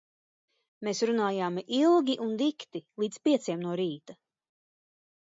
Mēs runājām ilgi un dikti, līdz pieciem no rīta.